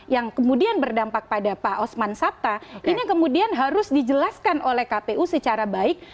yang kemudian berdampak pada pak osman sabta ini kemudian harus dijelaskan oleh kpu secara baik